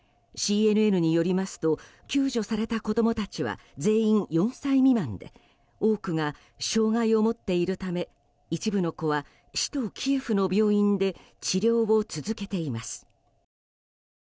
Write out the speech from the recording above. ＣＮＮによりますと救助された子供たちは全員、４歳未満で多くが障害を持っているため一部の子は首都キエフの病院で治療を続けています。